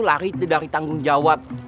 lari dari tanggung jawab